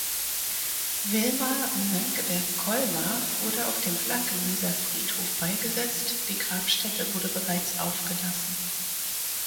Vilma Mönckeberg-Kollmar wurde auf dem Blankeneser Friedhof beigesetzt, die Grabstätte wurde bereits aufgelassen.